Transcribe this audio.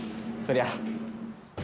そりゃ。